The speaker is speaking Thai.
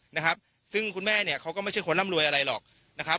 นะครับซึ่งคุณแม่เนี่ยเขาก็ไม่ใช่คนร่ำรวยอะไรหรอกนะครับ